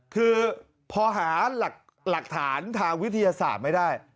คือพอหาหลักฐานทางวิทยาศาสตร์ไม่ได้